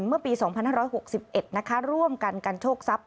เมื่อปี๒๕๖๑ร่วมกันกันโชคทรัพย